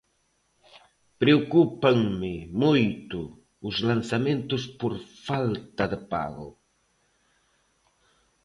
Preocúpanme moito os lanzamentos por falta de pago.